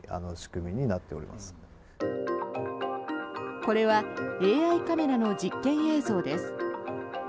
これはＡＩカメラの実験映像です。